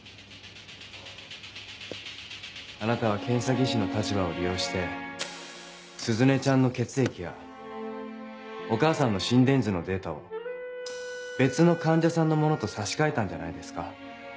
あなたは検査技師の立場を利用して鈴音ちゃんの血液やお母さんの心電図のデータを別の患者さんのものと差し替えたんじゃないですか？